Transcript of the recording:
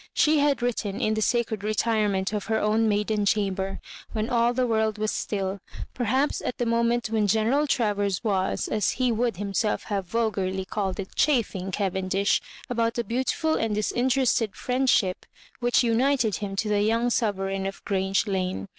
She had written in the sacred retirement of her own maiden chamber, when all the world was still; perhaps at the moment when Gteneral Travers was, as he would himself have vulgarly called it, "chaffing" Cavendish about the beautiful and disinterested friendship which united him to the young sovereign of Grange Lane.